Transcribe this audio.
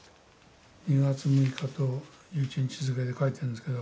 ２月６日と１１日付けで書いてるんですけど。